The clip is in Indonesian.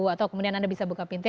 atau kemudian anda bisa buka pintu